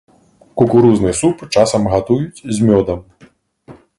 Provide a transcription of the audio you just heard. Кукурузны суп часам гатуюць з мёдам.